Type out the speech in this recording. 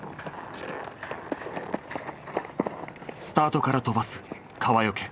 スタートから飛ばす川除。